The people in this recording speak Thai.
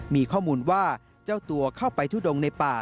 มีข้อมูลว่าเจ้าตัวเข้าไปทุดงในป่า